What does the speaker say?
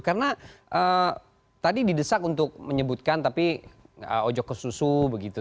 karena tadi didesak untuk menyebutkan tapi ojok ke susu begitu